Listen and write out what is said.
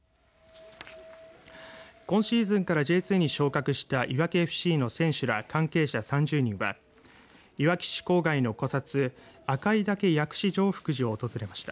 今シーズンからＪ２に昇格したいわきＦＣの選手ら関係者３０人は、いわき市郊外の古刹、閼伽井嶽薬師常福寺を訪れました。